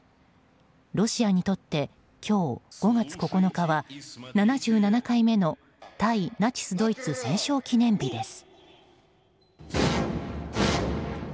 ロシアにとって今日５月９日は、７７回目の対ナチスドイツ戦勝記念日です。